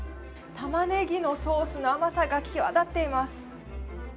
タマネギのソースの甘さが際立っています。